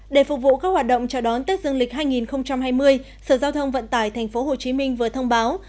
để phục vụ các hoạt động chào đón tết dương lịch hai nghìn hai mươi sở giao thông vận tải tp hcm vừa thông báo